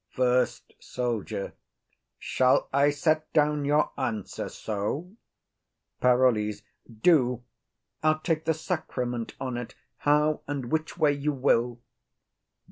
FIRST SOLDIER. Shall I set down your answer so? PAROLLES. Do. I'll take the sacrament on 't, how and which way you will.